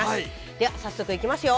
では早速いきますよ。